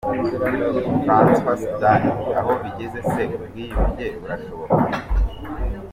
François Soudan: Aho bigeze se ubwiyunge burashoboka?